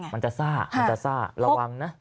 มันจะซ่ามันจะซ่าระวังนะ